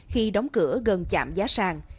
khi đóng cửa gần chạm giá sàng